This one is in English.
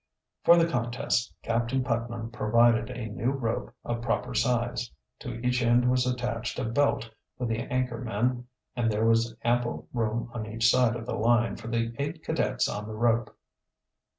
For the contest Captain Putnam provided a new rope of proper size. To each end was attached a belt for the anchor men, and there was ample room on each side of the line for the eight cadets on the rope.